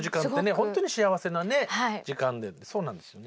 本当に幸せな時間でそうなんですよね。